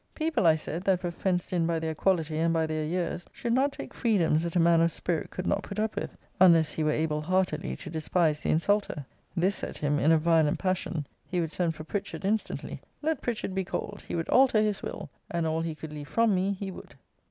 People, I said, that were fenced in by their quality, and by their years, should not take freedoms that a man of spirit could not put up with, unless he were able heartily to despise the insulter. This set him in a violent passion. He would send for Pritchard instantly. Let Pritchard be called. He would alter his will; and all he could leave from me, he would.